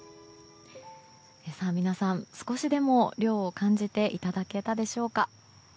皆さん、少しでも涼を感じていただけたでしょうか。